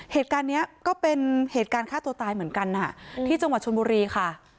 เหตุการณ์นี้ก็เป็นเหตุการณ์ฆ่าตัวตายเหมือนกันที่จังหวัดชนบุรีค่ะ